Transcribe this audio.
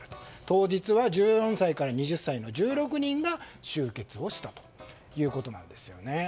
当日は１４歳から２０歳の１６人が集結をしたということなんです。